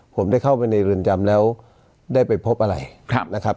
ผมได้เข้าไปในเรือนจำแล้วได้ไปพบอะไรนะครับ